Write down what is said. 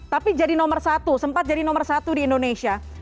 tapi jadi nomor satu sempat jadi nomor satu di indonesia